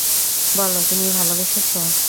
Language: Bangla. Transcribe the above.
বলো, তুমি ভালোবেসেছ।